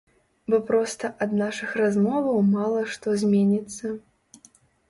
Бо проста ад нашых размоваў мала што зменіцца.